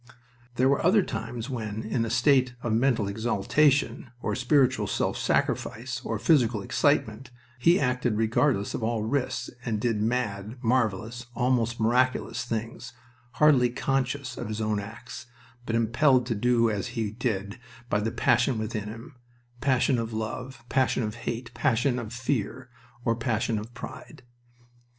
There were other times when, in a state of mental exaltation, or spiritual self sacrifice, or physical excitement, he acted regardless of all risks and did mad, marvelous, almost miraculous things, hardly conscious of his own acts, but impelled to do as he did by the passion within him passion of love, passion of hate, passion of fear, or passion of pride.